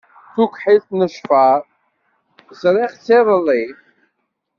Tukḥilt n lecfar, ẓriɣ-tt iḍelli.